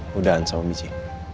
mudahan sama biji